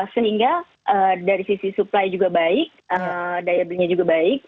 sehingga dari sisi supply juga baik daya belinya juga baik